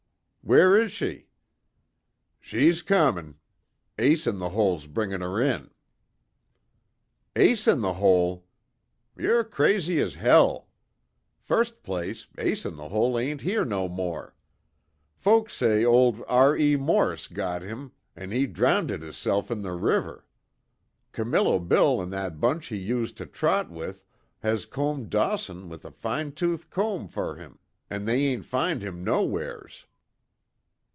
"Where is she?" "She's comin'. Ace In The Hole's bringin' her in." "Ace In The Hole! Yer crazy as hell! First place, Ace In The Hole ain't here no more. Folks says old R.E. Morse got him an' he drounded hisself in the river. Camillo Bill an' that bunch he used to trot with, has combed Dawson with a fine tooth comb fer him, an' they can't find him nowheres."